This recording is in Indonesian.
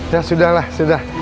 ya sudah lah sudah